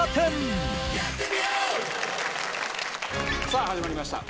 さあ始まりました